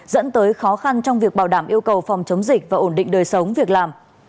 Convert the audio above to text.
dẫn tới khó khăn trong việc bảo đảm yêu cầu phòng chống dịch và ổn định đời sống việc làm